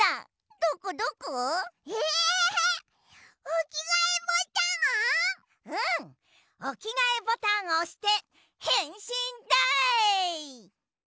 おきがえボタンをおしてへんしんだい！